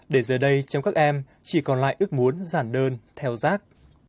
để giờ đây trong các em chỉ còn lại ước muốn giản đơn theo rác